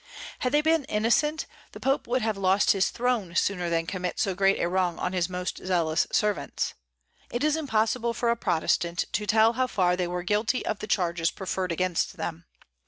Had they been innocent, the Pope would have lost his throne sooner than commit so great a wrong on his most zealous servants. It is impossible for a Protestant to tell how far they were guilty of the charges preferred against them.